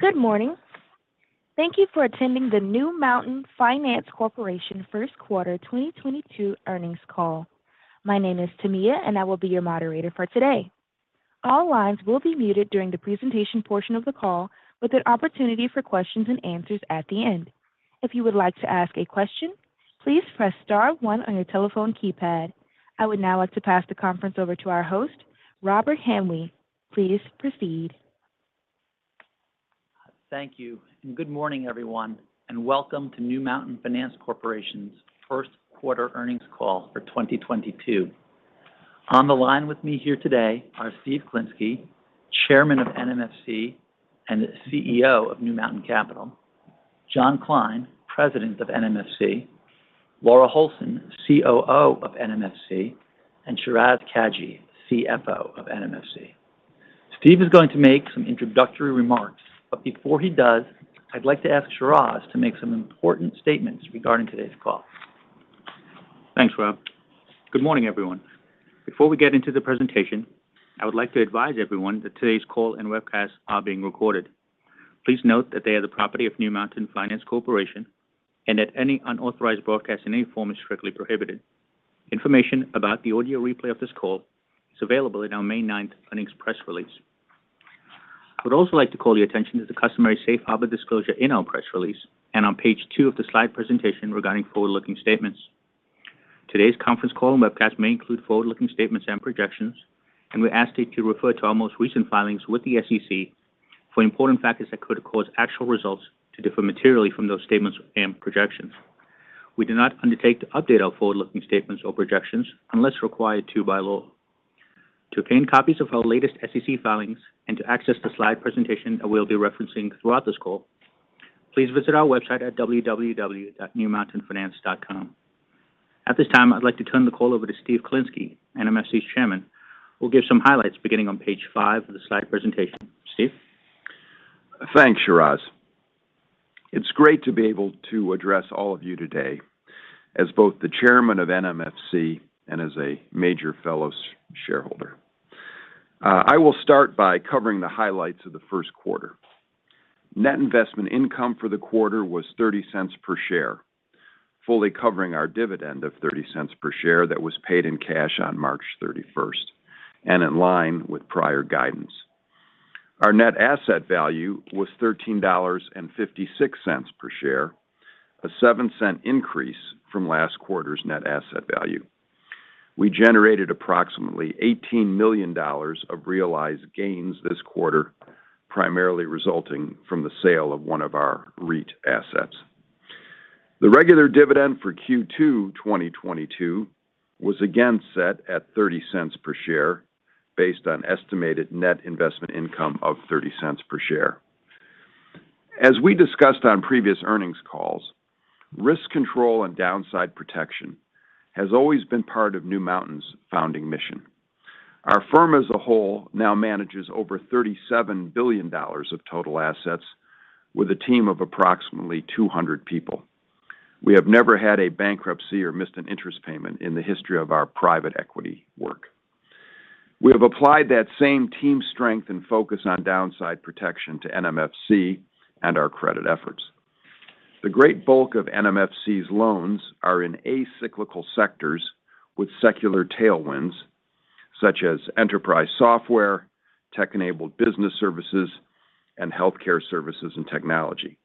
Good morning. Thank you for attending the New Mountain Finance Corporation first quarter 2022 earnings call. My name is Tamia, and I will be your moderator for today. All lines will be muted during the presentation portion of the call with an opportunity for questions and answers at the end. If you would like to ask a question, please press star one on your telephone keypad. I would now like to pass the conference over to our host, Robert Hamwee. Please proceed. Thank you. Good morning, everyone, and welcome to New Mountain Finance Corporation's first quarter earnings call for 2022. On the line with me here today are Steve Klinsky, Chairman of NMFC and CEO of New Mountain Capital, John Kline, President of NMFC, Laura Holson, COO of NMFC, and Shiraz Kajee, CFO of NMFC. Steve is going to make some introductory remarks, but before he does, I'd like to ask Shiraz to make some important statements regarding today's call. Thanks, Rob. Good morning, everyone. Before we get into the presentation, I would like to advise everyone that today's call and webcast are being recorded. Please note that they are the property of New Mountain Finance Corporation and that any unauthorized broadcast in any form is strictly prohibited. Information about the audio replay of this call is available in our May 9th earnings press release. I would also like to call your attention to the customary safe harbor disclosure in our press release and on page two of the slide presentation regarding forward-looking statements. Today's conference call and webcast may include forward-looking statements and projections, and we ask that you refer to our most recent filings with the SEC for important factors that could cause actual results to differ materially from those statements and projections. We do not undertake to update our forward-looking statements or projections unless required to by law. To obtain copies of our latest SEC filings and to access the slide presentation that we'll be referencing throughout this call, please visit our website at www.newmountainfinance.com. At this time, I'd like to turn the call over to Steve Klinsky, NMFC's chairman, who will give some highlights beginning on page five of the slide presentation. Steve. Thanks, Shiraz. It's great to be able to address all of you today as both the chairman of NMFC and as a major fellow shareholder. I will start by covering the highlights of the first quarter. Net investment income for the quarter was $0.30 per share, fully covering our dividend of $0.30 per share that was paid in cash on March 31st and in line with prior guidance. Our net asset value was $13.56 per share, a 7¢ increase from last quarter's net asset value. We generated approximately $18 million of realized gains this quarter, primarily resulting from the sale of one of our REIT assets. The regular dividend for Q2 2022 was again set at $0.30 per share based on estimated net investment income of $0.30 per share. As we discussed on previous earnings calls, risk control and downside protection has always been part of New Mountain's founding mission. Our firm as a whole now manages over $37 billion of total assets with a team of approximately 200 people. We have never had a bankruptcy or missed an interest payment in the history of our private equity work. We have applied that same team strength and focus on downside protection to NMFC and our credit efforts. The great bulk of NMFC's loans are in asyclical sectors with secular tailwinds such as enterprise software, tech-enabled business services, and healthcare services and technology.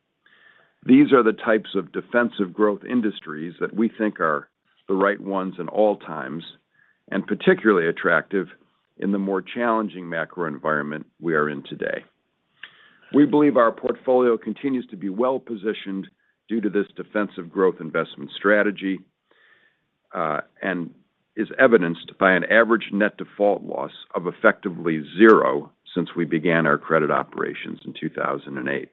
These are the types of defensive growth industries that we think are the right ones in all times and particularly attractive in the more challenging macro environment we are in today. We believe our portfolio continues to be well-positioned due to this defensive growth investment strategy, and is evidenced by an average net default loss of effectively zero since we began our credit operations in 2008.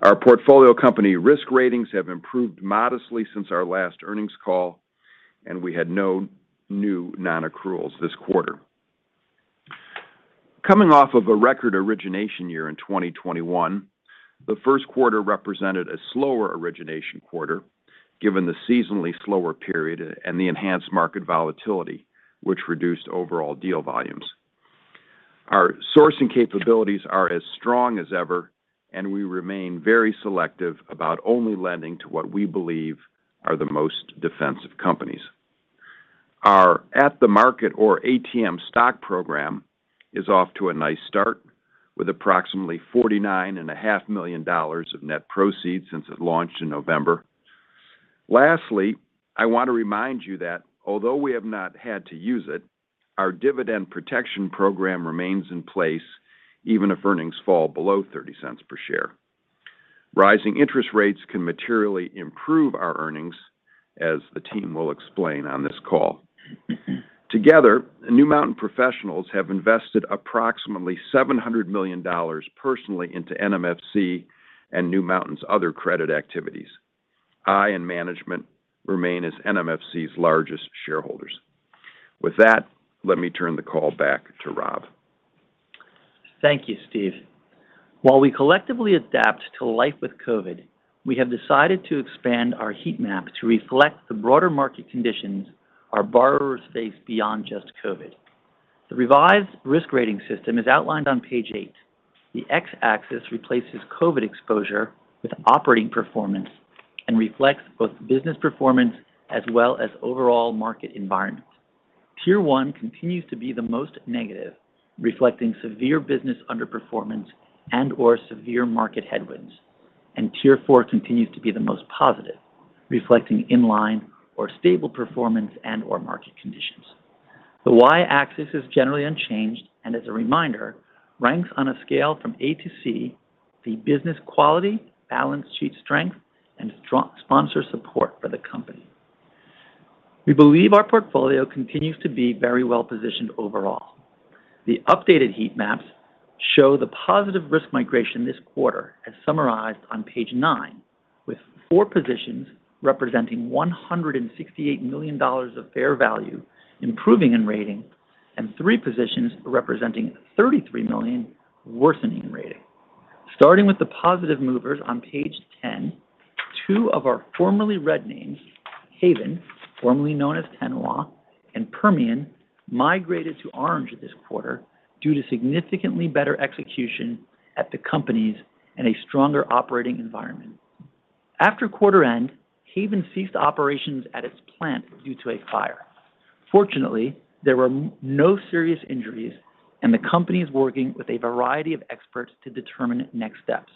Our portfolio company risk ratings have improved modestly since our last earnings call, and we had no new non-accruals this quarter. Coming off of a record origination year in 2021, the first quarter represented a slower origination quarter given the seasonally slower period and the enhanced market volatility, which reduced overall deal volumes. Our sourcing capabilities are as strong as ever, and we remain very selective about only lending to what we believe are the most defensive companies. Our at-the-market, or ATM, stock program is off to a nice start with approximately $49.5 million of net proceeds since it launched in November. Lastly, I want to remind you that although we have not had to use it, our Dividend Protection Program remains in place even if earnings fall below $0.30 per share. Rising interest rates can materially improve our earnings, as the team will explain on this call. Together, New Mountain professionals have invested approximately $700 million personally into NMFC and New Mountain's other credit activities. I and management remain as NMFC's largest shareholders. With that, let me turn the call back to Rob. Thank you, Steve. While we collectively adapt to life with COVID, we have decided to expand our heat map to reflect the broader market conditions our borrowers face beyond just COVID. The revised risk rating system is outlined on page eight. The X-axis replaces COVID exposure with operating performance and reflects both business performance as well as overall market environment. Tier 1 continues to be the most negative, reflecting severe business underperformance and/or severe market headwinds, and tier 4 continues to be the most positive, reflecting in-line or stable performance and/or market conditions. The Y-axis is generally unchanged, and as a reminder, ranks on a scale from A to C, the business quality, balance sheet strength, and strong sponsor support for the company. We believe our portfolio continues to be very well-positioned overall. The updated heat maps show the positive risk migration this quarter as summarized on page nine, with four positions representing $168 million of fair value improving in rating and three positions representing $33 million worsening in rating. Starting with the positive movers on page 10, two of our formerly red names, Haven, formerly known as Tenawa, and Permian, migrated to orange this quarter due to significantly better execution at the companies and a stronger operating environment. After quarter end, Haven ceased operations at its plant due to a fire. Fortunately, there were no serious injuries, and the company is working with a variety of experts to determine next steps.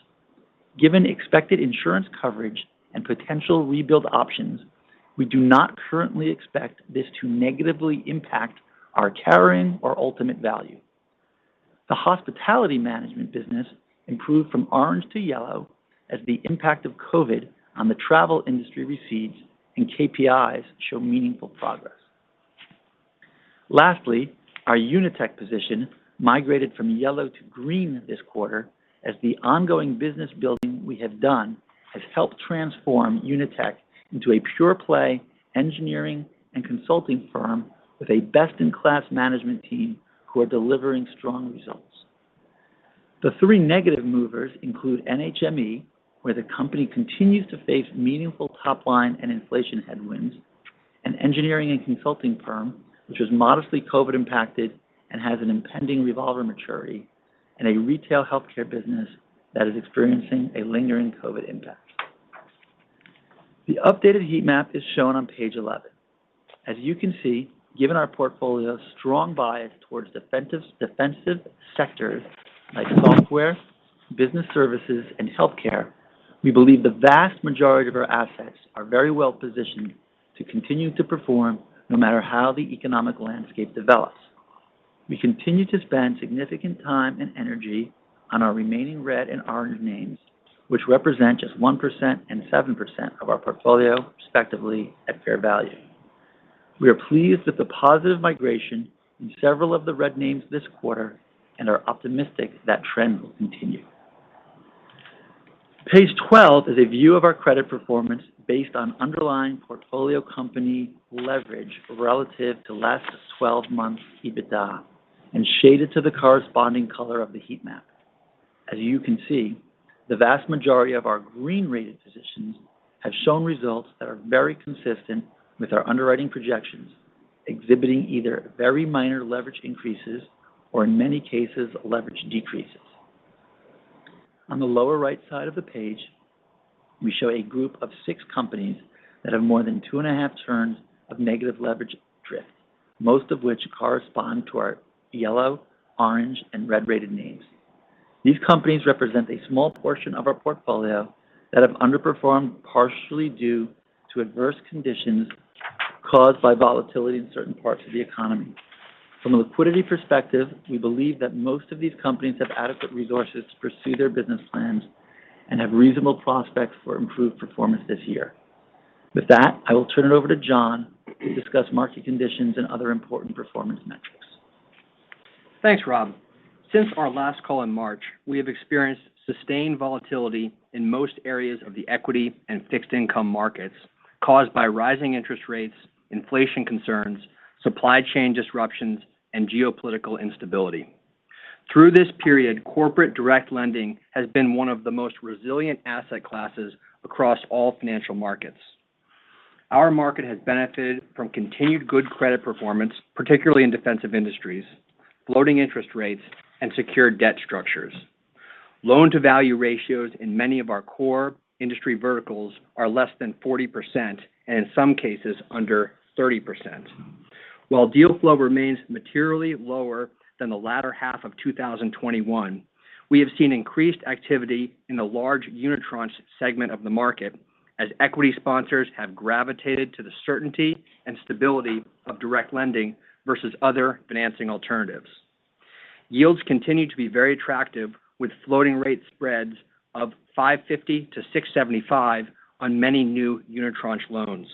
Given expected insurance coverage and potential rebuild options, we do not currently expect this to negatively impact our carrying or ultimate value. The hospitality management business improved from orange to yellow as the impact of COVID on the travel industry recedes and KPIs show meaningful progress. Lastly, our UNITEK position migrated from yellow to green this quarter as the ongoing business building we have done has helped transform UNITEK into a pure-play engineering and consulting firm with a best-in-class management team who are delivering strong results. The three negative movers include NHME, where the company continues to face meaningful top-line and inflation headwinds, an engineering and consulting firm which was modestly COVID-impacted and has an impending revolver maturity, and a retail healthcare business that is experiencing a lingering COVID impact. The updated heat map is shown on page 11. As you can see, given our portfolio's strong bias towards defensive sectors like software, business services, and healthcare, we believe the vast majority of our assets are very well-positioned to continue to perform no matter how the economic landscape develops. We continue to spend significant time and energy on our remaining red and orange names, which represent just 1% and 7% of our portfolio, respectively, at fair value. We are pleased with the positive migration in several of the red names this quarter and are optimistic that trend will continue. Page 12 is a view of our credit performance based on underlying portfolio company leverage relative to last 12 months EBITDA and shaded to the corresponding color of the heat map. As you can see, the vast majority of our green-rated positions have shown results that are very consistent with our underwriting projections, exhibiting either very minor leverage increases or, in many cases, leverage decreases. On the lower right side of the page, we show a group of six companies that have more than 2.5 turns of negative leverage drift, most of which correspond to our yellow, orange, and red-rated names. These companies represent a small portion of our portfolio that have underperformed partially due to adverse conditions caused by volatility in certain parts of the economy. From a liquidity perspective, we believe that most of these companies have adequate resources to pursue their business plans and have reasonable prospects for improved performance this year. With that, I will turn it over to John Kline to discuss market conditions and other important performance metrics. Thanks, Rob. Since our last call in March, we have experienced sustained volatility in most areas of the equity and fixed income markets caused by rising interest rates, inflation concerns, supply chain disruptions, and geopolitical instability. Through this period, corporate direct lending has been one of the most resilient asset classes across all financial markets. Our market has benefited from continued good credit performance, particularly in defensive industries, floating interest rates, and secured debt structures. Loan-to-value ratios in many of our core industry verticals are less than 40%, and in some cases, under 30%. While deal flow remains materially lower than the latter half of 2021, we have seen increased activity in the large unitranche segment of the market as equity sponsors have gravitated to the certainty and stability of direct lending versus other financing alternatives. Yields continue to be very attractive with floating rate spreads of 5.50%-6.75% on many new unitranche loans.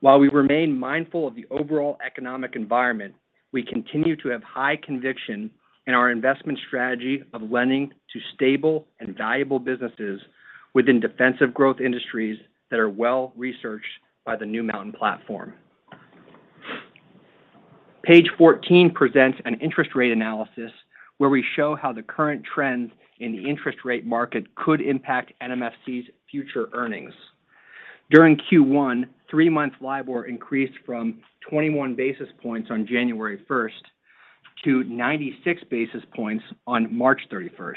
While we remain mindful of the overall economic environment, we continue to have high conviction in our investment strategy of lending to stable and valuable businesses within defensive growth industries that are well-researched by the New Mountain platform. Page 14 presents an interest rate analysis where we show how the current trends in the interest rate market could impact NMFC's future earnings. During Q1, three-month LIBOR increased from 21 basis points on January 1st to 96 basis points on March 31st.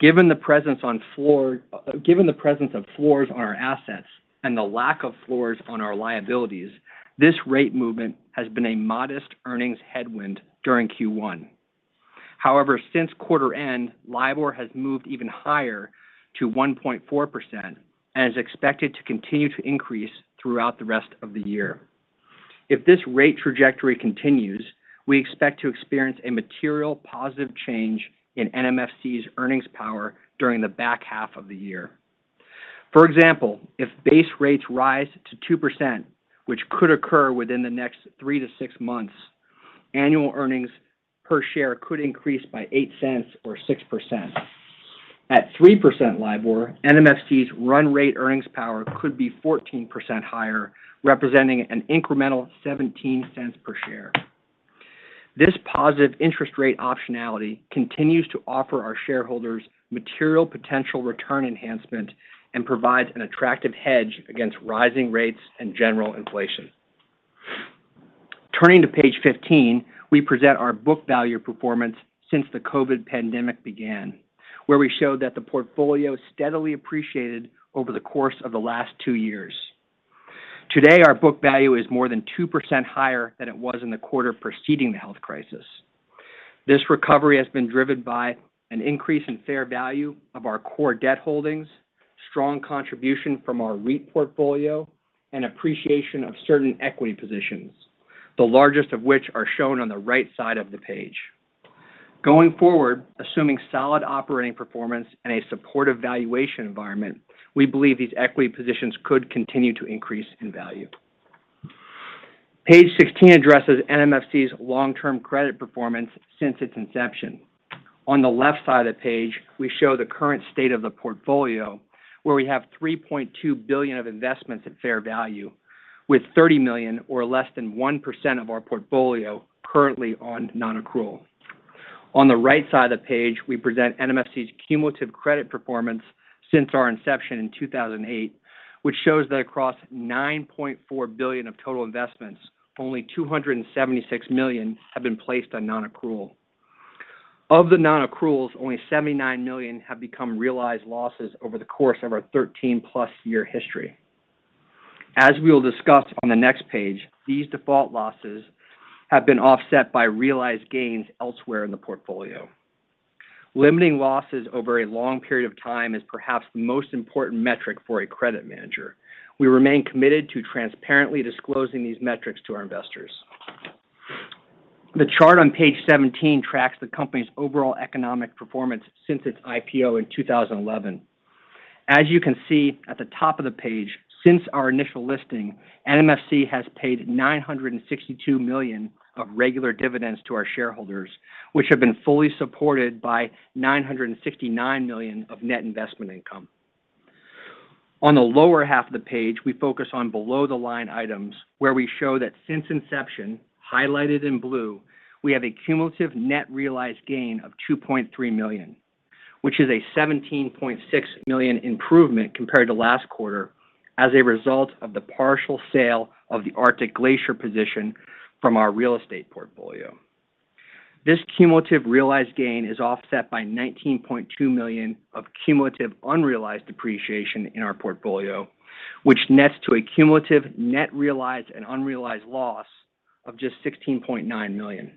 Given the presence of floors on our assets and the lack of floors on our liabilities, this rate movement has been a modest earnings headwind during Q1. However, since quarter end, LIBOR has moved even higher to 1.4% and is expected to continue to increase throughout the rest of the year. If this rate trajectory continues, we expect to experience a material positive change in NMFC's earnings power during the back half of the year. For example, if base rates rise to 2%, which could occur within the next three to six months, annual earnings per share could increase by $0.08 or 6%. At 3% LIBOR, NMFC's run rate earnings power could be 14% higher, representing an incremental $0.17 per share. This positive interest rate optionality continues to offer our shareholders material potential return enhancement and provides an attractive hedge against rising rates and general inflation. Turning to page 15, we present our book value performance since the COVID pandemic began, where we show that the portfolio steadily appreciated over the course of the last two years. Today, our book value is more than 2% higher than it was in the quarter preceding the health crisis. This recovery has been driven by an increase in fair value of our core debt holdings, strong contribution from our REIT portfolio, and appreciation of certain equity positions, the largest of which are shown on the right side of the page. Going forward, assuming solid operating performance and a supportive valuation environment, we believe these equity positions could continue to increase in value. Page 16 addresses NMFC's long-term credit performance since its inception. On the left side of the page, we show the current state of the portfolio, where we have $3.2 billion of investments at fair value, with $30 million or less than 1% of our portfolio currently on non-accrual. On the right side of the page, we present NMFC's cumulative credit performance since our inception in 2008, which shows that across $9.4 billion of total investments, only $276 million have been placed on non-accrual. Of the non-accruals, only $79 million have become realized losses over the course of our 13+ year history. As we will discuss on the next page, these default losses have been offset by realized gains elsewhere in the portfolio. Limiting losses over a long period of time is perhaps the most important metric for a credit manager. We remain committed to transparently disclosing these metrics to our investors. The chart on page 17 tracks the company's overall economic performance since its IPO in 2011. As you can see at the top of the page, since our initial listing, NMFC has paid $962 million of regular dividends to our shareholders, which have been fully supported by $969 million of net investment income. On the lower half of the page, we focus on below-the-line items, where we show that since inception, highlighted in blue, we have a cumulative net realized gain of $2.3 million, which is a $17.6 million improvement compared to last quarter as a result of the partial sale of the Arctic Glacier position from our real estate portfolio. This cumulative realized gain is offset by $19.2 million of cumulative unrealized depreciation in our portfolio, which nets to a cumulative net realized and unrealized loss of just $16.9 million.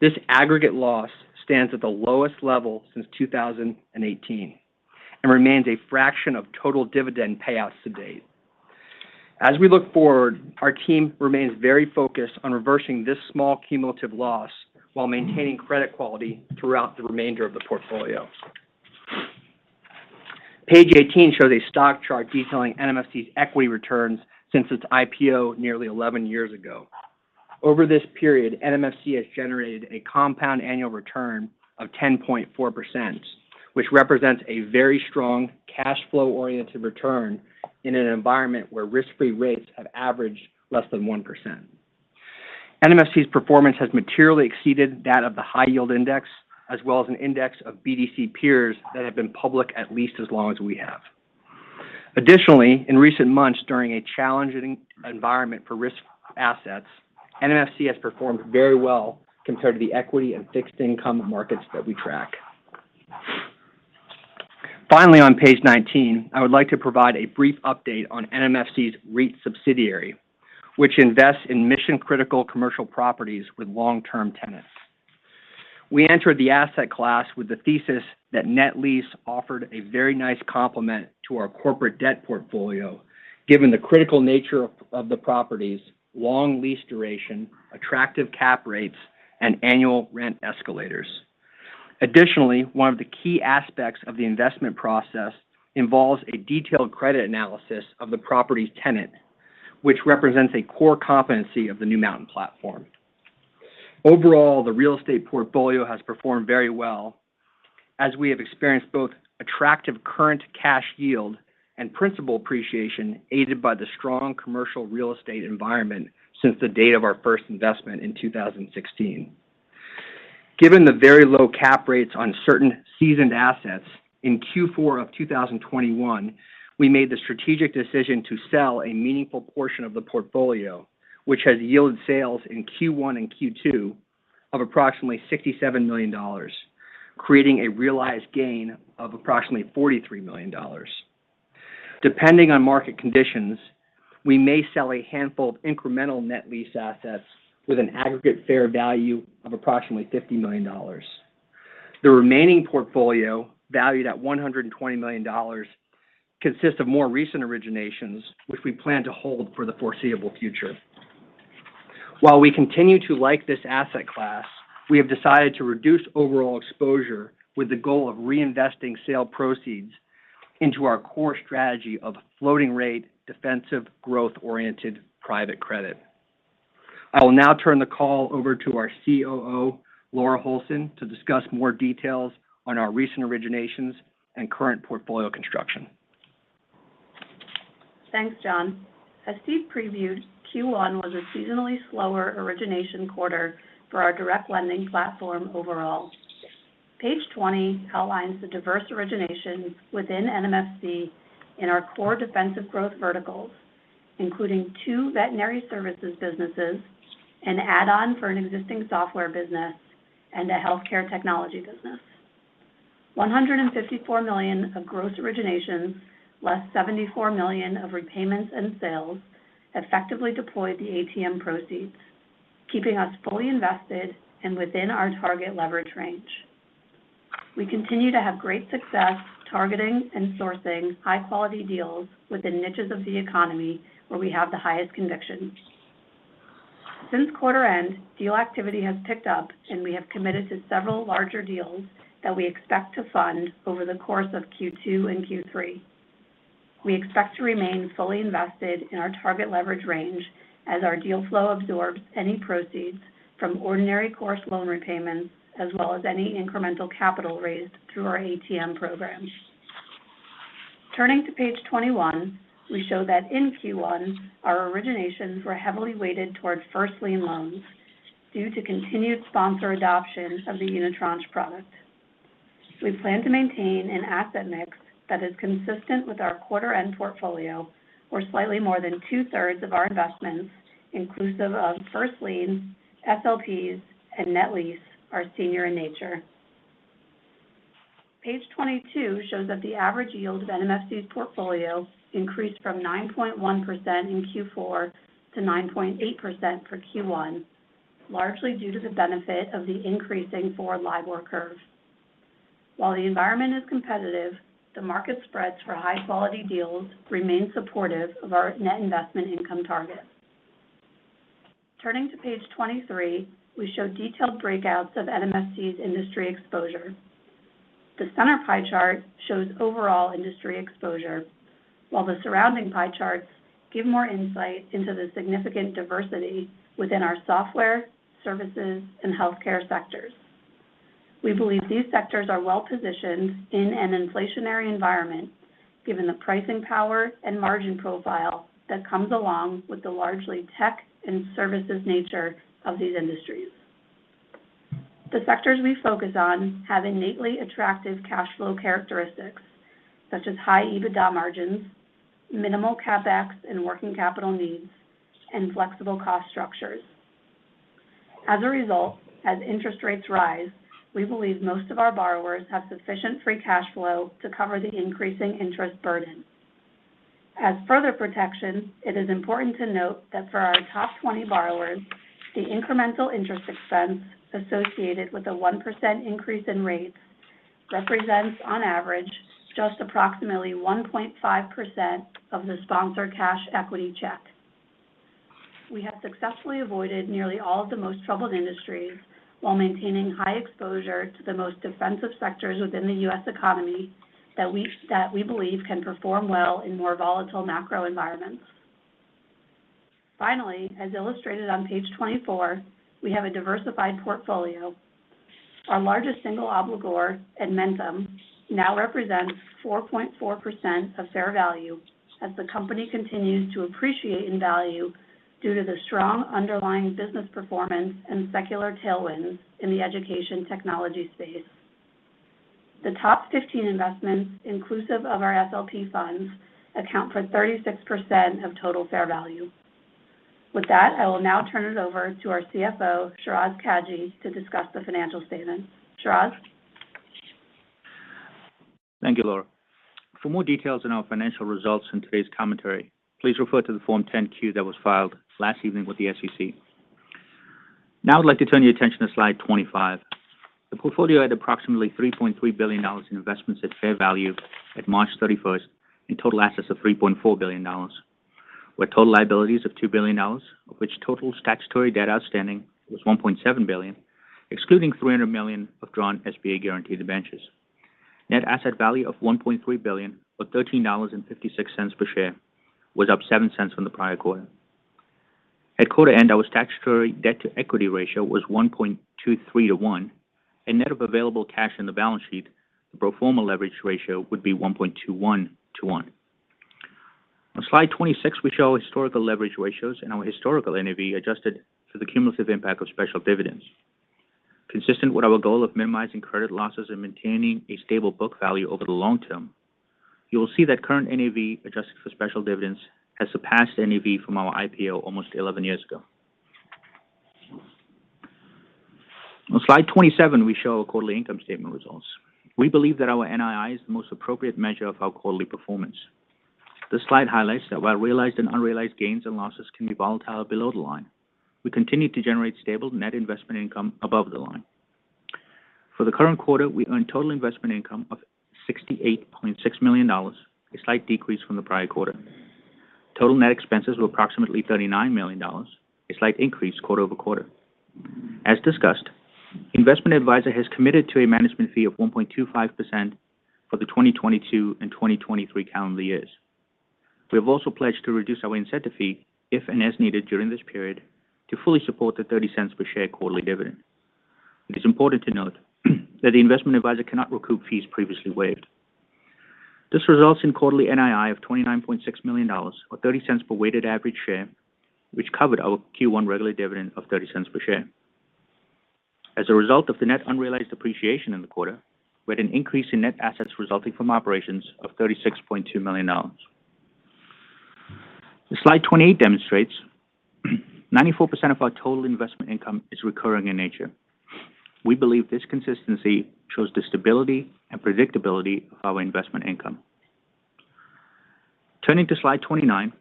This aggregate loss stands at the lowest level since 2018 and remains a fraction of total dividend payouts to date. As we look forward, our team remains very focused on reversing this small cumulative loss while maintaining credit quality throughout the remainder of the portfolio. Page 18 shows a stock chart detailing NMFC's equity returns since its IPO nearly 11 years ago. Over this period, NMFC has generated a compound annual return of 10.4%, which represents a very strong cash flow-oriented return in an environment where risk-free rates have averaged less than 1%. NMFC's performance has materially exceeded that of the high yield index as well as an index of BDC peers that have been public at least as long as we have. Additionally, in recent months, during a challenging environment for risk assets, NMFC has performed very well compared to the equity and fixed income markets that we track. Finally, on page 19, I would like to provide a brief update on NMFC's REIT subsidiary, which invests in mission-critical commercial properties with long-term tenants. We entered the asset class with the thesis that net lease offered a very nice complement to our corporate debt portfolio, given the critical nature of the properties, long lease duration, attractive cap rates, and annual rent escalators. Additionally, one of the key aspects of the investment process involves a detailed credit analysis of the property's tenant, which represents a core competency of the New Mountain platform. Overall, the real estate portfolio has performed very well. As we have experienced both attractive current cash yield and principal appreciation aided by the strong commercial real estate environment since the date of our first investment in 2016. Given the very low cap rates on certain seasoned assets in Q4 of 2021, we made the strategic decision to sell a meaningful portion of the portfolio, which has yielded sales in Q1 and Q2 of approximately $67 million, creating a realized gain of approximately $43 million. Depending on market conditions, we may sell a handful of incremental net lease assets with an aggregate fair value of approximately $50 million. The remaining portfolio, valued at $120 million, consists of more recent originations, which we plan to hold for the foreseeable future. While we continue to like this asset class, we have decided to reduce overall exposure with the goal of reinvesting sale proceeds into our core strategy of floating rate, defensive growth-oriented private credit. I will now turn the call over to our COO, Laura Holson, to discuss more details on our recent originations and current portfolio construction. Thanks, John. As Steve previewed, Q1 was a seasonally slower origination quarter for our direct lending platform overall. Page 20 outlines the diverse originations within NMFC in our core defensive growth verticals, including two veterinary services businesses, an add-on for an existing software business and a healthcare technology business. $154 million of gross originations, less $74 million of repayments and sales effectively deployed the ATM proceeds, keeping us fully invested and within our target leverage range. We continue to have great success targeting and sourcing high quality deals within niches of the economy where we have the highest conviction. Since quarter end, deal activity has picked up, and we have committed to several larger deals that we expect to fund over the course of Q2 and Q3. We expect to remain fully invested in our target leverage range as our deal flow absorbs any proceeds from ordinary course loan repayments as well as any incremental capital raised through our ATM program. Turning to page 21, we show that in Q1 our originations were heavily weighted towards first lien loans due to continued sponsor adoption of the unitranche product. We plan to maintain an asset mix that is consistent with our quarter end portfolio where slightly more than two-thirds of our investments, inclusive of first lien, SLPs and net lease, are senior in nature. Page 22 shows that the average yield of NMFC's portfolio increased from 9.1% in Q4 to 9.8% for Q1, largely due to the benefit of the increasing forward LIBOR curve. While the environment is competitive, the market spreads for high quality deals remain supportive of our net investment income target. Turning to page 23, we show detailed breakouts of NMFC's industry exposure. The center pie chart shows overall industry exposure, while the surrounding pie charts give more insight into the significant diversity within our software, services and healthcare sectors. We believe these sectors are well positioned in an inflationary environment given the pricing power and margin profile that comes along with the largely tech and services nature of these industries. The sectors we focus on have innately attractive cash flow characteristics such as high EBITDA margins, minimal CapEx and working capital needs, and flexible cost structures. As a result, as interest rates rise, we believe most of our borrowers have sufficient free cash flow to cover the increasing interest burden. As further protection, it is important to note that for our top 20 borrowers, the incremental interest expense associated with a 1% increase in rates represents on average, just approximately 1.5% of the sponsor cash equity check. We have successfully avoided nearly all of the most troubled industries while maintaining high exposure to the most defensive sectors within the U.S. economy that we believe can perform well in more volatile macro environments. Finally, as illustrated on page 24, we have a diversified portfolio. Our largest single obligor, Edmentum, now represents 4.4% of fair value as the company continues to appreciate in value due to the strong underlying business performance and secular tailwinds in the education technology space. The top 15 investments inclusive of our SLP funds account for 36% of total fair value. With that, I will now turn it over to our CFO, Shiraz Kajee, to discuss the financial statements. Shiraz. Thank you, Laura. For more details on our financial results and today's commentary, please refer to the Form 10-Q that was filed last evening with the SEC. Now I'd like to turn your attention to slide 25. The portfolio had approximately $3.3 billion in investments at fair value at March 31 and total assets of $3.4 billion, with total liabilities of $2 billion of which total statutory debt outstanding was $1.7 billion, excluding $300 million of drawn SBA guaranteed advances. Net asset value of $1.3 billion, or $13.56 per share was up 7¢ from the prior quarter. At quarter end, our statutory debt to equity ratio was 1.23 to 1. Net of available cash in the balance sheet, the pro forma leverage ratio would be 1.21 to 1. On slide 26, we show historical leverage ratios and our historical NAV adjusted for the cumulative impact of special dividends. Consistent with our goal of minimizing credit losses and maintaining a stable book value over the long term, you will see that current NAV adjusted for special dividends has surpassed NAV from our IPO almost 11 years ago. On slide 27, we show quarterly income statement results. We believe that our NII is the most appropriate measure of our quarterly performance. This slide highlights that while realized and unrealized gains and losses can be volatile below the line, we continue to generate stable net investment income above the line. For the current quarter, we earned total investment income of $68.6 million, a slight decrease from the prior quarter. Total net expenses were approximately $39 million, a slight increase quarter-over-quarter. As discussed, investment advisor has committed to a management fee of 1.25% for the 2022 and 2023 calendar years. We have also pledged to reduce our incentive fee if and as needed during this period to fully support the $0.30 per share quarterly dividend. It is important to note that the investment advisor cannot recoup fees previously waived. This results in quarterly NII of $29.6 million, or $0.30 per weighted average share, which covered our Q1 regular dividend of $0.30 per share. As a result of the net unrealized appreciation in the quarter, we had an increase in net assets resulting from operations of $36.2 million. Slide 28 demonstrates 94% of our total investment income is recurring in nature. We believe this consistency shows the stability and predictability of our investment income. Turning to slide 29,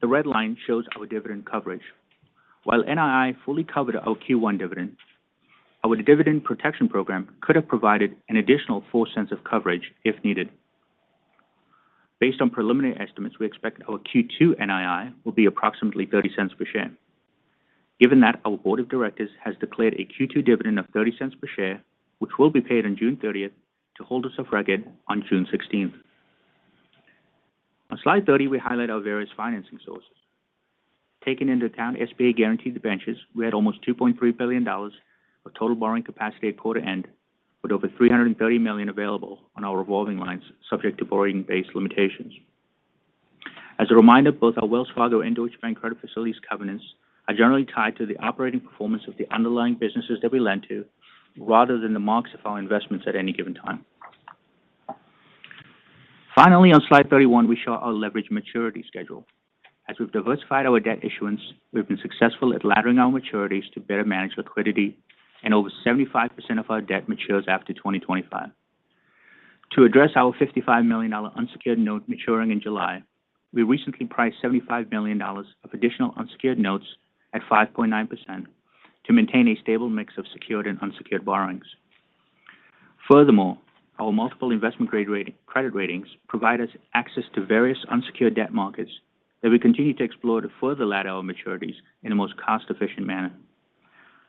the red line shows our dividend coverage. While NII fully covered our Q1 dividend, our Dividend Protection Program could have provided an additional $0.04 of coverage if needed. Based on preliminary estimates, we expect our Q2 NII will be approximately $0.30 per share. Given that, our board of directors has declared a Q2 dividend of $0.30 per share, which will be paid on June thirtieth to holders of record on June sixteenth. On slide 30, we highlight our various financing sources. Taking into account SBA guaranteed debentures, we had almost $2.3 billion of total borrowing capacity at quarter end, with over $330 million available on our revolving lines subject to borrowing-based limitations. As a reminder, both our Wells Fargo and Deutsche Bank credit facilities covenants are generally tied to the operating performance of the underlying businesses that we lend to, rather than the marks of our investments at any given time. Finally, on slide 31, we show our leverage maturity schedule. As we've diversified our debt issuance, we've been successful at laddering our maturities to better manage liquidity, and over 75% of our debt matures after 2025. To address our $55 million unsecured note maturing in July, we recently priced $75 million of additional unsecured notes at 5.9% to maintain a stable mix of secured and unsecured borrowings. Furthermore, our multiple investment-grade credit ratings provide us access to various unsecured debt markets that we continue to explore to further ladder our maturities in the most cost-efficient manner.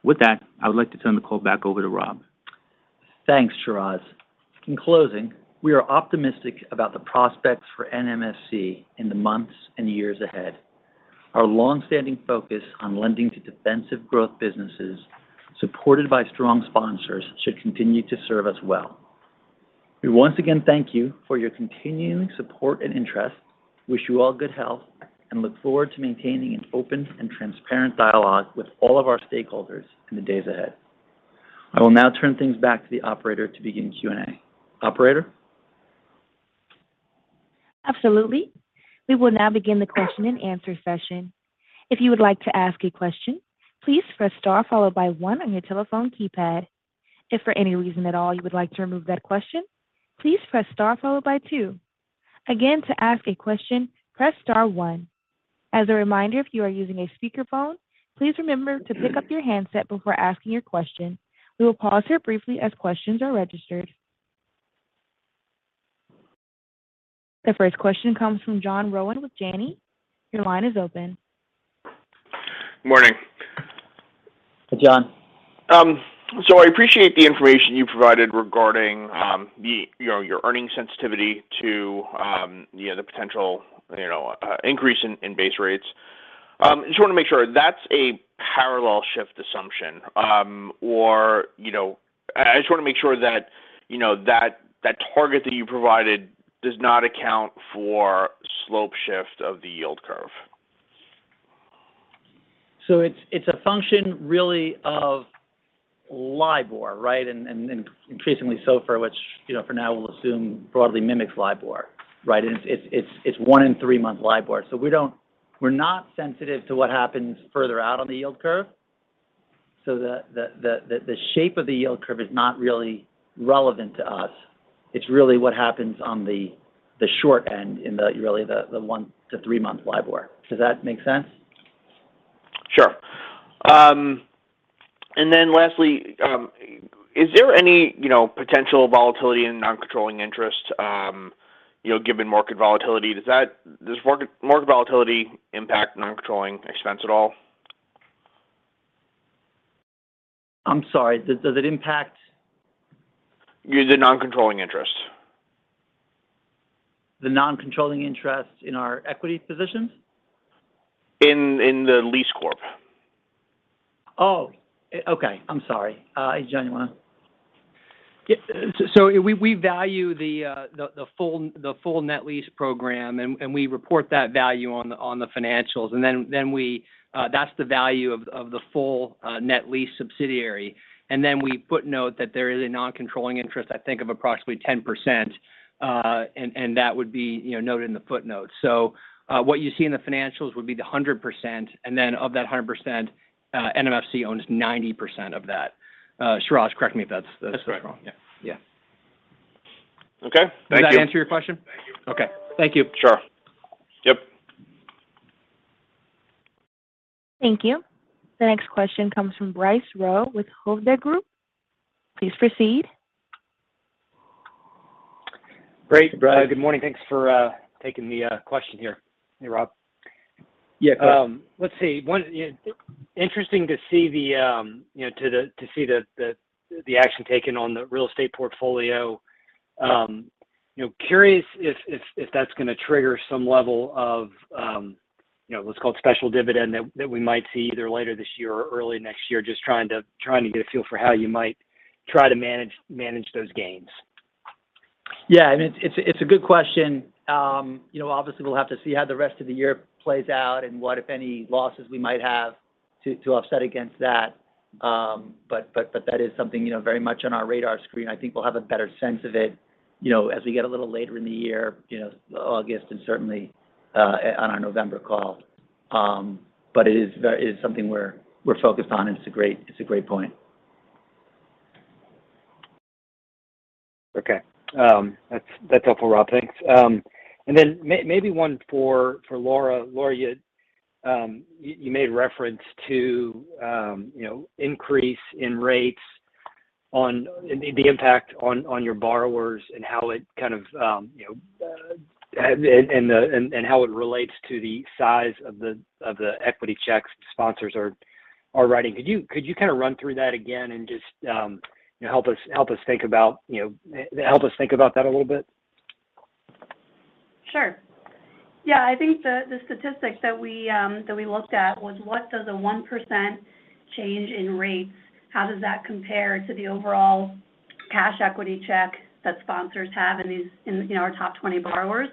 With that, I would like to turn the call back over to Rob. Thanks, Shiraz. In closing, we are optimistic about the prospects for NMFC in the months and years ahead. Our long-standing focus on lending to defensive growth businesses supported by strong sponsors should continue to serve us well. We once again thank you for your continuing support and interest, wish you all good health, and look forward to maintaining an open and transparent dialogue with all of our stakeholders in the days ahead. I will now turn things back to the operator to begin Q&A. Operator? Absolutely. We will now begin the Q&A session. If you would like to ask a question, please press star followed by one on your telephone keypad. If for any reason at all you would like to remove that question, please press star followed by two. Again, to ask a question, press star one. As a reminder, if you are using a speakerphone, please remember to pick up your handset before asking your question. We will pause here briefly as questions are registered. The first question comes from John Rowan with Janney. Your line is open. Morning. John. I appreciate the information you provided regarding the, you know, your earnings sensitivity to, you know, the potential, you know, increase in base rates. Just wanna make sure that's a parallel shift assumption. Or, you know, I just wanna make sure that, you know, that target that you provided does not account for slope shift of the yield curve. It's a function really of LIBOR, right? Increasingly SOFR, which, you know, for now we'll assume broadly mimics LIBOR, right? It's one- and three-month LIBOR. We're not sensitive to what happens further out on the yield curve. The shape of the yield curve is not really relevant to us. It's really what happens on the short end in the one- and three-month LIBOR. Does that make sense? Sure. Lastly, is there any, you know, potential volatility in non-controlling interest, you know, given market volatility? Does market volatility impact non-controlling expense at all? I'm sorry. Does it impact. The non-controlling interest. The non-controlling interest in our equity positions? In the Lease Corp. Oh, okay. I'm sorry. Hey, John, you wanna. We value the full net lease program, and we report that value on the financials. That's the value of the full net lease subsidiary. We footnote that there is a non-controlling interest, I think of approximately 10%. That would be, you know, noted in the footnotes. What you see in the financials would be the 100%, and then of that 100%, NMFC owns 90% of that. Shiraz, correct me if that's wrong. That's right. Yeah. Yeah. Okay. Thank you. Does that answer your question? Thank you. Okay. Thank you. Sure. Yep. Thank you. The next question comes from Bryce Rowe with Hovde Group. Please proceed. Great. Good morning. Thanks for taking the question here. Hey, Rob. Interesting to see the action taken on the real estate portfolio. You know, curious if that's gonna trigger some level of, you know, what's called special dividend that we might see either later this year or early next year, just trying to get a feel for how you might try to manage those gains. Yeah. I mean, it's a good question. You know, obviously we'll have to see how the rest of the year plays out and what, if any, losses we might have to offset against that. That is something, you know, very much on our radar screen. I think we'll have a better sense of it, you know, as we get a little later in the year, you know, August and certainly on our November call. It is something we're focused on, and it's a great point. Okay. That's helpful, Rob. Thanks. Maybe one for Laura. Laura, you made reference to, you know, increase in rates and the impact on your borrowers and how it kind of, you know, and how it relates to the size of the equity checks sponsors are writing. Could you kind of run through that again and just, you know, help us think about that a little bit? Sure. Yeah. I think the statistics that we looked at was what does a 1% change in rates, how does that compare to the overall cash equity check that sponsors have in these, in, you know, our top 20 borrowers?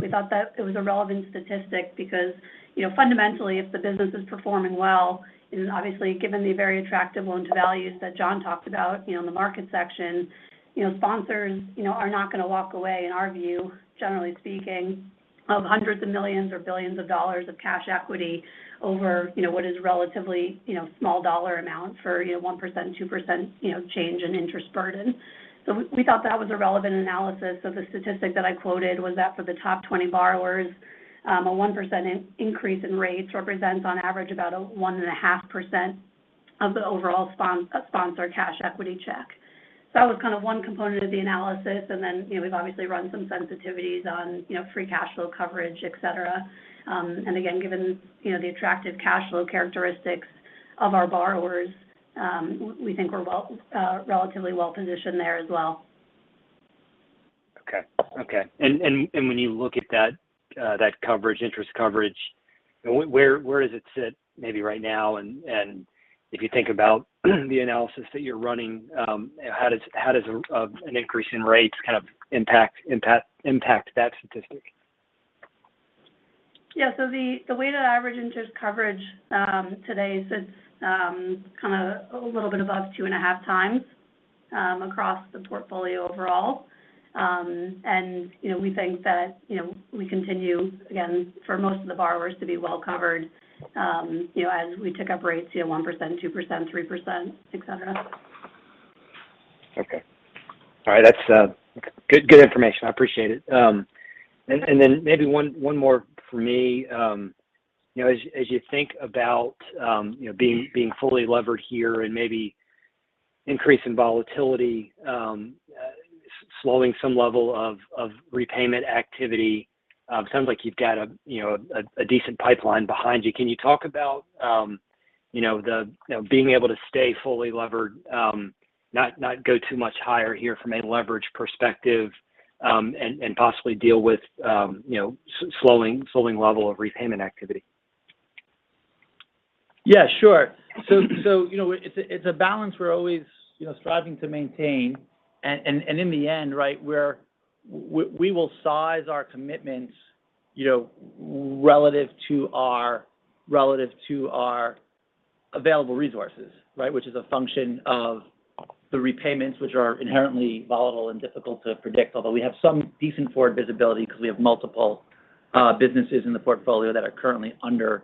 We thought that it was a relevant statistic because, you know, fundamentally, if the business is performing well, and obviously given the very attractive loan-to-value that John talked about, you know, in the market section, you know, sponsors, you know, are not gonna walk away, in our view, generally speaking, of $100s of millions or billions of dollars of cash equity over, you know, what is a relatively, you know, small dollar amount for, you know, 1%, 2%, you know, change in interest burden. We thought that was a relevant analysis. The statistic that I quoted was that for the top 20 borrowers, a 1% increase in rates represents on average about 1.5% of the overall sponsor cash equity check. That was kind of one component of the analysis, and then, you know, we've obviously run some sensitivities on, you know, free cash flow coverage, et cetera. Given, you know, the attractive cash flow characteristics of our borrowers, we think we're relatively well-positioned there as well. When you look at that coverage, interest coverage, where does it sit maybe right now? If you think about the analysis that you're running, how does an increase in rates kind of impact that statistic? The weighted average interest coverage today sits kind of a little bit above 2.5x across the portfolio overall. You know, we think that we continue, again, for most of the borrowers to be well covered, you know, as we tick up rates, you know, 1%, 2%, 3%, et cetera. Okay. All right. That's good information. I appreciate it. Maybe one more for me. You know, as you think about, you know, being fully levered here and maybe increase in volatility, slowing some level of repayment activity, sounds like you've got a, you know, a decent pipeline behind you. Can you talk about, you know, the, you know, being able to stay fully levered, not go too much higher here from a leverage perspective, and possibly deal with, you know, slowing level of repayment activity? Yeah, sure. You know, it's a balance we're always you know, striving to maintain. In the end, right, we will size our commitments you know, relative to our available resources, right, which is a function of the repayments, which are inherently volatile and difficult to predict, although we have some decent forward visibility because we have multiple businesses in the portfolio that are currently under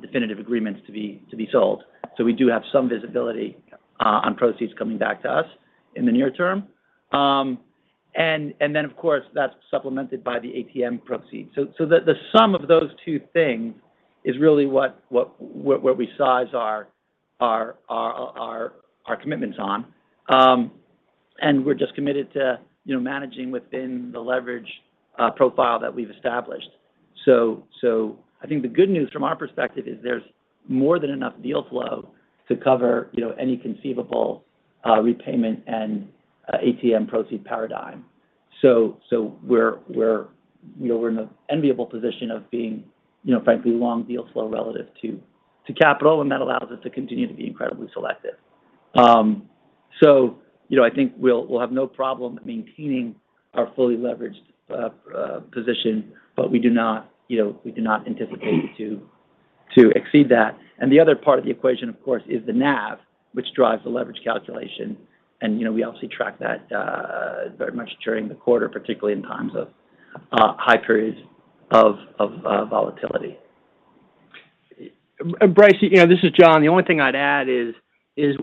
definitive agreements to be sold. We do have some visibility on proceeds coming back to us in the near term. Then of course, that's supplemented by the ATM proceeds. The sum of those two things is really what we size our commitments on. We're just committed to, you know, managing within the leverage profile that we've established. I think the good news from our perspective is there's more than enough deal flow to cover, you know, any conceivable repayment and ATM proceed paradigm. We're, you know, we're in the enviable position of being, you know, frankly, long deal flow relative to capital, and that allows us to continue to be incredibly selective. I think we'll have no problem maintaining our fully leveraged position, but we do not, you know, we do not anticipate to exceed that. The other part of the equation, of course, is the NAV, which drives the leverage calculation. You know, we obviously track that very much during the quarter, particularly in times of high periods of volatility. Bryce, you know, this is John. The only thing I'd add is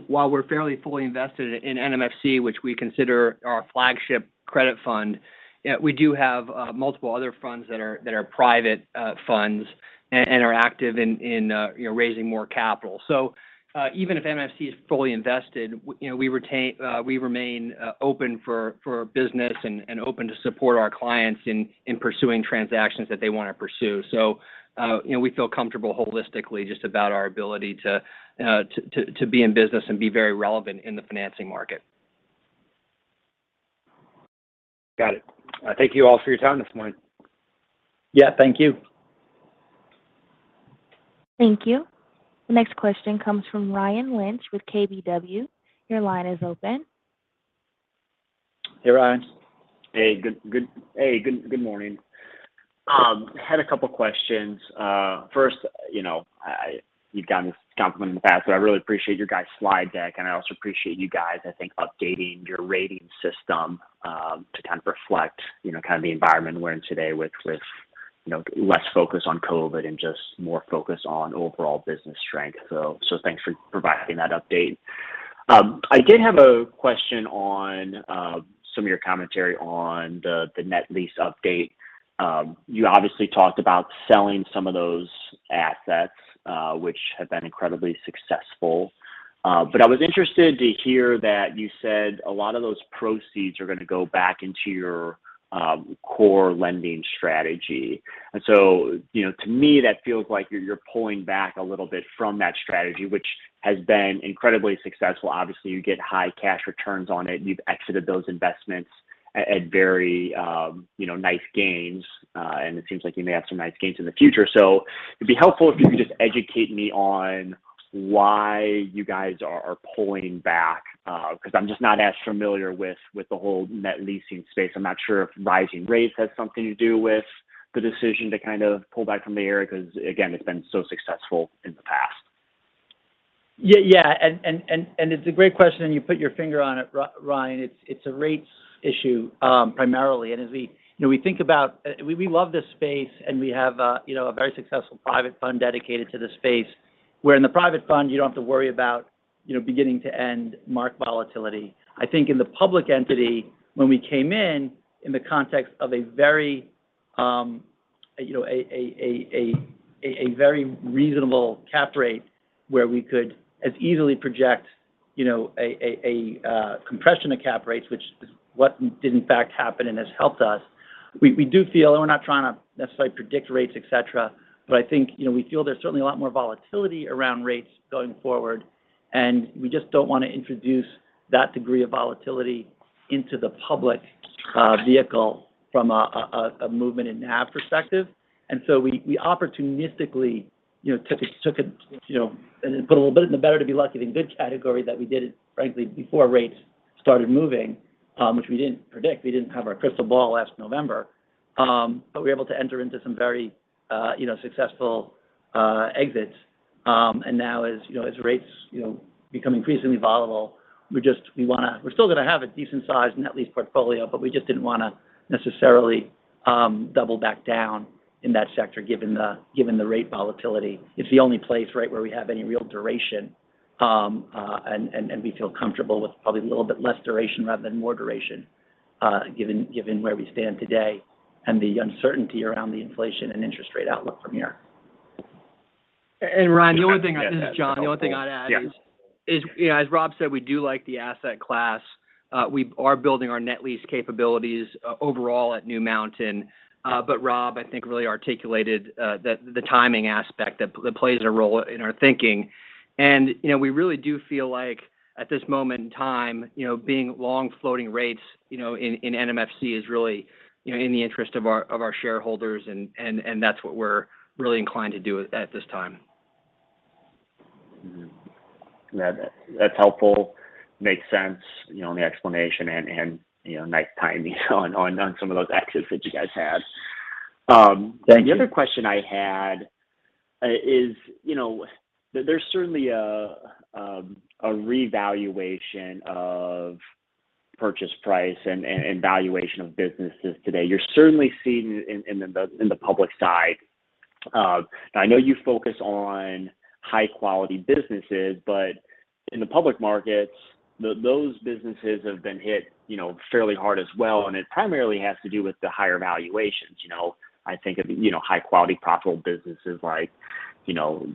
while we're fairly fully invested in NMFC, which we consider our flagship credit fund, yeah, we do have multiple other funds that are private funds and are active in you know, raising more capital. You know, even if NMFC is fully invested, we remain open for business and open to support our clients in pursuing transactions that they wanna pursue. You know, we feel comfortable holistically just about our ability to be in business and be very relevant in the financing market. Got it. Thank you all for your time this morning. Yeah. Thank you. Thank you. The next question comes from Ryan Lynch with KBW. Your line is open. Hey, Ryan. Hey, good morning. Had a couple questions. First, you know, you've gotten this compliment in the past, but I really appreciate your guys' slide deck, and I also appreciate you guys, I think, updating your rating system to kind of reflect, you know, kind of the environment we're in today with you know, less focus on COVID and just more focus on overall business strength. So thanks for providing that update. I did have a question on some of your commentary on the net lease update. You obviously talked about selling some of those assets, which have been incredibly successful. But I was interested to hear that you said a lot of those proceeds are gonna go back into your core lending strategy. You know, to me, that feels like you're pulling back a little bit from that strategy, which has been incredibly successful. Obviously, you get high cash returns on it, and you've exited those investments at very, you know, nice gains. It seems like you may have some nice gains in the future. It'd be helpful if you could just educate me on why you guys are pulling back, 'cause I'm just not as familiar with the whole net leasing space. I'm not sure if rising rates has something to do with the decision to kind of pull back from the area 'cause, again, it's been so successful in the past. Yeah, yeah. It's a great question, and you put your finger on it, Ryan. It's a rates issue, primarily. We love this space, and we have a very successful private fund dedicated to this space, where in the private fund you don't have to worry about beginning to end mark-to-market volatility. I think in the public entity, when we came in the context of a very reasonable cap rate where we could as easily project a compression of cap rates, which is what did in fact happen and has helped us. We do feel, and we're not trying to necessarily predict rates, et cetera, but I think, you know, we feel there's certainly a lot more volatility around rates going forward, and we just don't wanna introduce that degree of volatility into the public vehicle from a movement and NAV perspective. We opportunistically, you know, took a and put a little bit in the better to be lucky than good category that we did it, frankly, before rates started moving, which we didn't predict. We didn't have our crystal ball last November. We were able to enter into some very, you know, successful exits. Now as, you know, as rates, you know, become increasingly volatile, we just wanna. We're still gonna have a decent size net lease portfolio, but we just didn't wanna necessarily double back down in that sector given the rate volatility. It's the only place, right, where we have any real duration. We feel comfortable with probably a little bit less duration rather than more duration, given where we stand today and the uncertainty around the inflation and interest rate outlook from here. Ryan, this is John. The only thing I'd add is. Yeah. You know, as Rob said, we do like the asset class. We are building our net lease capabilities, overall at New Mountain. Rob, I think, really articulated the timing aspect that plays a role in our thinking. You know, we really do feel like at this moment in time, you know, being long floating rates, you know, in NMFC is really, you know, in the interest of our shareholders and that's what we're really inclined to do at this time. That's helpful. Makes sense, you know, on the explanation and you know, nice timing on some of those exits that you guys had. Thank you. The other question I had is, you know, there's certainly a revaluation of purchase price and valuation of businesses today. You're certainly seeing in the public side. Now I know you focus on high quality businesses, but in the public markets, those businesses have been hit, you know, fairly hard as well, and it primarily has to do with the higher valuations. You know, I think of, you know, high quality profitable businesses like you know,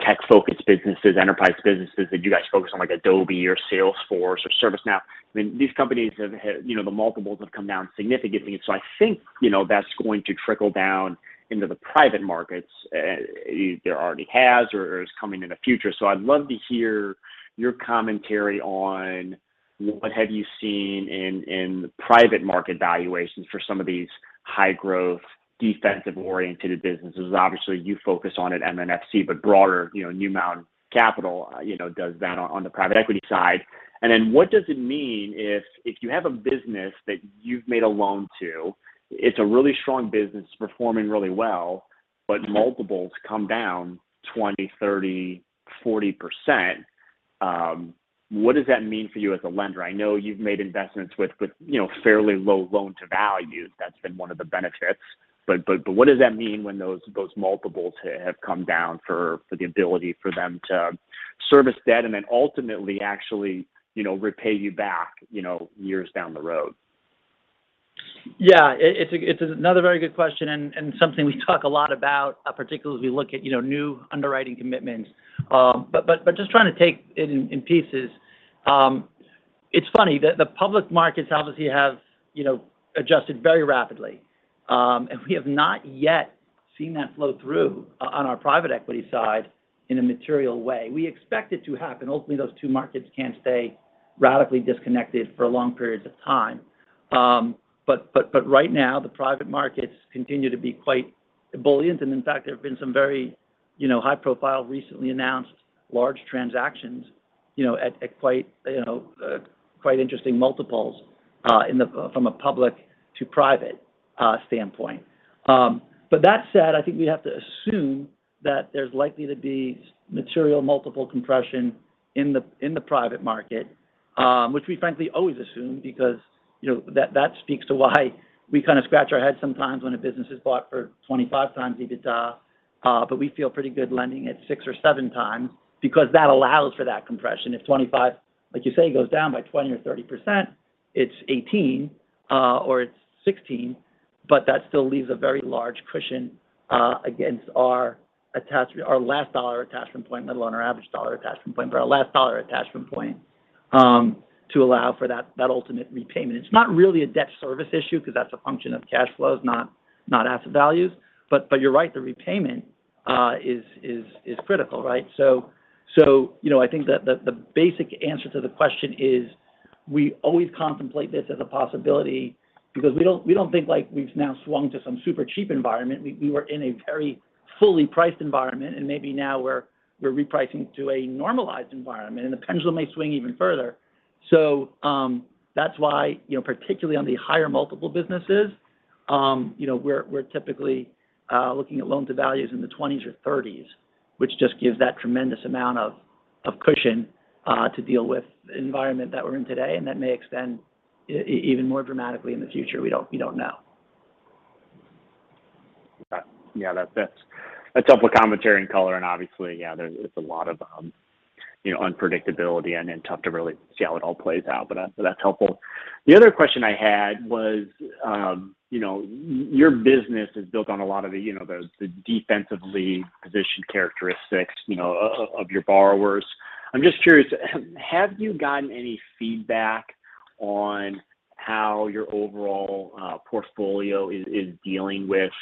tech-focused businesses, enterprise businesses that you guys focus on, like Adobe or Salesforce or ServiceNow. I mean, these companies have had. You know, the multiples have come down significantly. I think, you know, that's going to trickle down into the private markets, and there already has or is coming in the future. I'd love to hear your commentary on what have you seen in the private market valuations for some of these high growth, defensive-oriented businesses. Obviously, you focus on at NMFC, but broader, you know, New Mountain Capital, you know, does that on the private equity side. Then what does it mean if you have a business that you've made a loan to, it's a really strong business, performing really well, but multiples come down 20, 30, 40%, what does that mean for you as a lender? I know you've made investments with you know, fairly low loan-to-values. That's been one of the benefits. What does that mean when those multiples have come down for the ability for them to service debt and then ultimately actually, you know, repay you back, you know, years down the road? Yeah. It's another very good question and something we talk a lot about, particularly as we look at, you know, new underwriting commitments. Just trying to take it in pieces. It's funny, the public markets obviously have, you know, adjusted very rapidly. We have not yet seen that flow through on our private equity side in a material way. We expect it to happen. Hopefully, those two markets can't stay radically disconnected for long periods of time. Right now, the private markets continue to be quite ebullient. In fact, there have been some very, you know, high profile recently announced large transactions, you know, at quite, you know, quite interesting multiples, from a public to private standpoint. I think we have to assume that there's likely to be material multiple compression in the private market, which we frankly always assume because, you know, that speaks to why we kind of scratch our heads sometimes when a business is bought for 25x EBITDA. We feel pretty good lending at 6x or 7x because that allows for that compression. If 25, like you say, goes down by 20% or 30%, it's 18 or it's 16, but that still leaves a very large cushion against our last dollar attachment point, let alone our average dollar attachment point. Our last dollar attachment point to allow for that ultimate repayment. It's not really a debt service issue because that's a function of cash flows, not asset values. You're right, the repayment is critical, right? You know, I think that the basic answer to the question is we always contemplate this as a possibility because we don't think like we've now swung to some super cheap environment. We were in a very fully priced environment, and maybe now we're repricing to a normalized environment, and the pendulum may swing even further. That's why, you know, particularly on the higher multiple businesses, you know, we're typically looking at loan-to-value in the 20s or 30s, which just gives that tremendous amount of cushion to deal with the environment that we're in today, and that may extend even more dramatically in the future. We don't know. Yeah. That's helpful commentary and color, and obviously, yeah, there's a lot of you know unpredictability and tough to really see how it all plays out. That's helpful. The other question I had was you know your business is built on a lot of the you know the defensively positioned characteristics you know of your borrowers. I'm just curious, have you gotten any feedback on how your overall portfolio is dealing with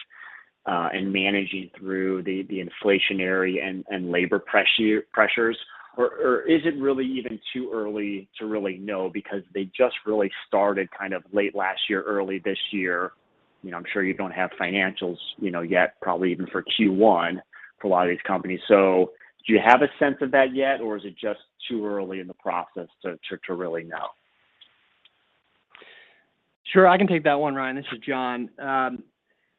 and managing through the inflationary and labor pressures? Or is it really even too early to really know because they just really started kind of late last year, early this year? You know, I'm sure you don't have financials you know yet, probably even for Q1 for a lot of these companies. Do you have a sense of that yet, or is it just too early in the process to really know? Sure. I can take that one, Ryan. This is John.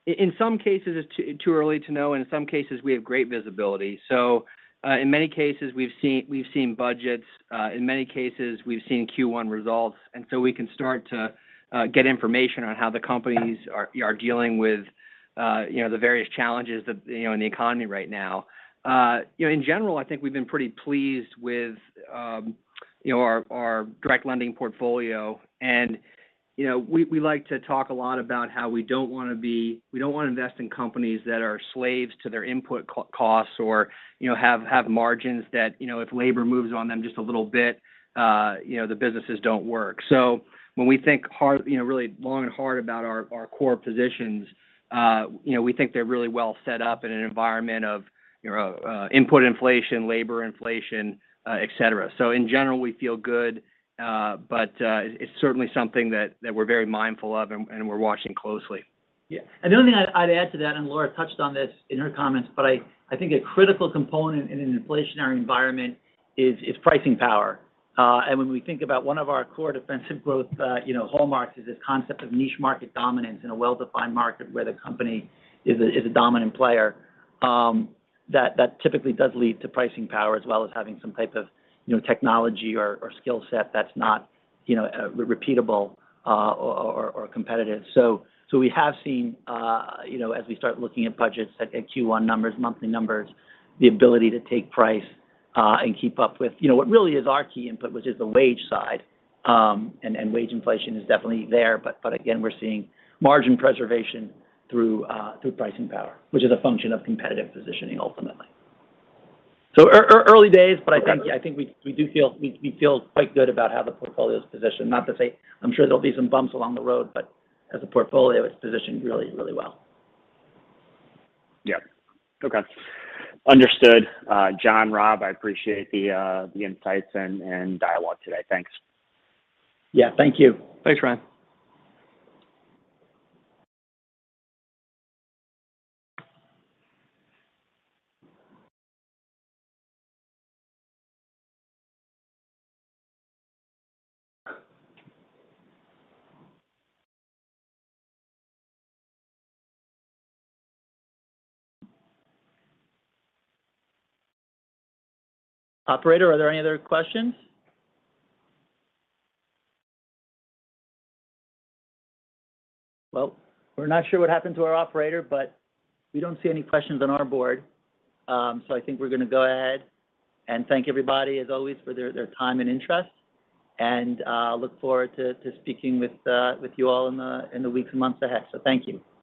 In some cases, it's too early to know, and in some cases, we have great visibility. In many cases, we've seen budgets. In many cases, we've seen Q1 results. We can start to get information on how the companies are dealing with you know, the various challenges that you know in the economy right now. You know, in general, I think we've been pretty pleased with you know, our direct lending portfolio. You know, we like to talk a lot about how we don't wanna invest in companies that are slaves to their input costs or, you know, have margins that, you know, if labor moves on them just a little bit, you know, the businesses don't work. When we think hard, you know, really long and hard about our core positions, you know, we think they're really well set up in an environment of, you know, input inflation, labor inflation, et cetera. In general, we feel good, but it's certainly something that we're very mindful of and we're watching closely. Yeah. The only thing I'd add to that, and Laura touched on this in her comments, but I think a critical component in an inflationary environment is pricing power. And when we think about one of our core defensive growth, you know, hallmarks is this concept of niche market dominance in a well-defined market where the company is a dominant player, that typically does lead to pricing power as well as having some type of, you know, technology or skill set that's not, you know, repeatable or competitive. So we have seen, you know, as we start looking at budgets, at Q1 numbers, monthly numbers, the ability to take price and keep up with, you know, what really is our key input, which is the wage side. Wage inflation is definitely there. Again, we're seeing margin preservation through pricing power, which is a function of competitive positioning ultimately. Early days, but I think, yeah, we do feel quite good about how the portfolio is positioned. Not to say I'm sure there'll be some bumps along the road, but as a portfolio, it's positioned really, really well. Yeah. Okay. Understood. John, Rob, I appreciate the insights and dialogue today. Thanks. Yeah, thank you. Thanks, Ryan. Operator, are there any other questions? Well, we're not sure what happened to our operator, but we don't see any questions on our board. I think we're gonna go ahead and thank everybody, as always, for their time and interest. Look forward to speaking with you all in the weeks and months ahead. Thank you.